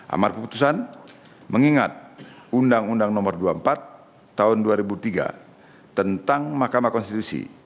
amar putusan mengingat undang undang nomor dua puluh empat tahun dua ribu tiga tentang mahkamah konstitusi